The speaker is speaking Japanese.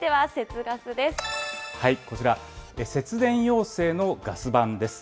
こちら、節電要請のガス版です。